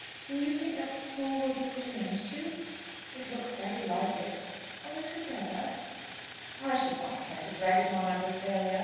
"Do you think that the school will be put an end to?" "It looks very like it." "Altogether?" "I shall not care to drag it on as a failure.